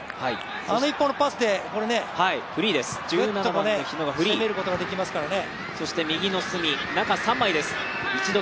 あの１本のパスでね、ぐっと攻めることができますからね。